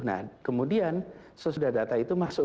nah kemudian sesudah data itu masuk